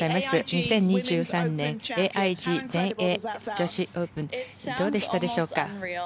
２０２３年ＡＩＧ全英女子オープンどうでしたでしょうか。